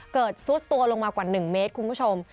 เกิดซุดตัวลงมากว่าหนึ่งเมตรคุณผู้ชม